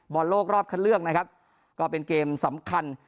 บอลโลกรอบคันเลือกนะครับก็เป็นเกมสำคัญ